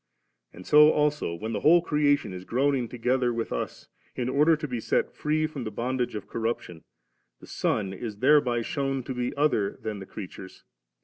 And so also, when the whole creation is groaning together with us in order to be set free from the bondage of corruption, the Son is thereby shewn to be other than the creatures.